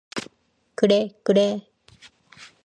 그래, 그래!